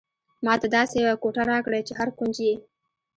ماته داسې یوه کوټه راکړئ چې هر کونج یې.